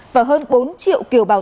và hơn bốn triệu kiều bào